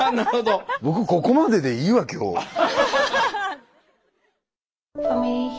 僕ここまででいいわ今日。